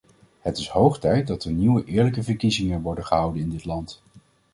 Het is hoog tijd dat er nieuwe eerlijke verkiezingen worden gehouden in dit land.